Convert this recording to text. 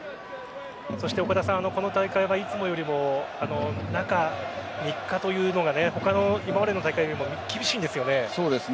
そして、この大会はいつもよりも中３日というのが今までの大会よりも厳しいんですよね。